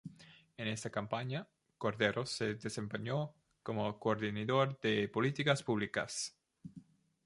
En esta campaña, Cordero se desempeñó como Coordinador de Políticas Públicas.